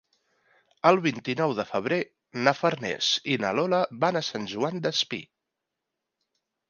El vint-i-nou de febrer na Farners i na Lola van a Sant Joan Despí.